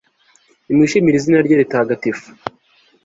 nimwishimire izina rye ritagatifu